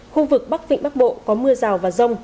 khu vực bắc vịnh bắc bộ có mưa rào và rông